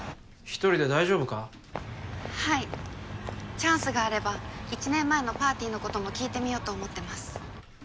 チャンスがあれば１年前のパーティーのことも聞いてみようと思ってます。